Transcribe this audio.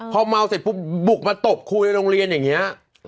พอเมาเสร็จปุ๊บบุกมาตบครูในโรงเรียนอย่างนี้